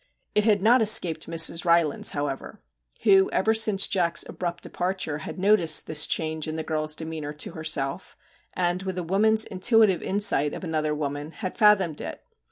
It had not escaped Mrs. Rylands, however, who ever since Jack's abrupt departure had noticed this change in the girl's demeanour to herself, and with a woman's intuitive insight of another woman, had fathomed it.